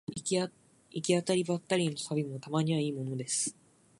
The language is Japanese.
行き当たりばったりの旅もたまにはいいものです